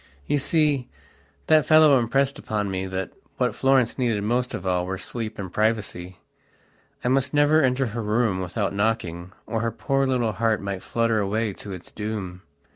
You see, that fellow impressed upon me that what Florence needed most of all were sleep and privacy. I must never enter her room without knocking, or her poor little heart might flutter away to its doom.